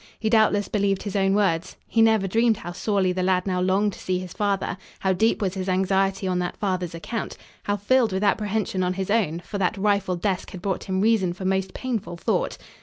He doubtless believed his own words. He never dreamed how sorely the lad now longed to see his father, how deep was his anxiety on that father's account, how filled with apprehension on his own, for that rifled desk had brought him reason for most painful thought.